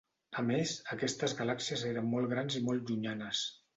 A més, aquestes galàxies eren molt grans i molt llunyanes.